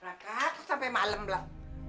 raka kau sampai malem belum